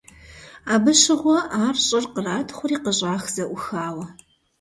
Абы щыгъуэ ар щӀыр къратхъури къыщӀах зэӀухауэ.